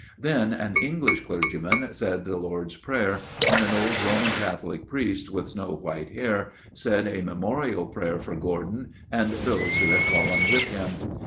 Then an English clergyman said the Lord's Prayer, and an old Roman Catholic Priest, with snow white hair, said a memorial prayer for Gordon and those who had fallen with him.